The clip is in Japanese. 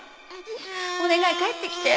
お願い帰ってきて。